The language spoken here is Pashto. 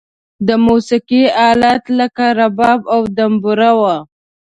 د موسیقی آلات لکه رباب او دمبوره و.